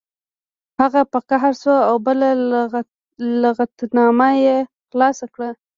هغه په قهر شو او بله لغتنامه یې خلاصه کړه